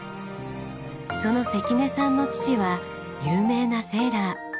その関根さんの父は有名なセーラー。